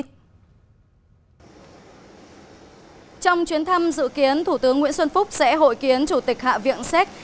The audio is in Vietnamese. trong chuyến thăm dự kiến thủ tướng nguyễn xuân phúc sẽ hội kiến chủ tịch hạ viện séc